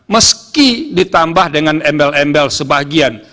meski ditambah dengan embel embel sebagian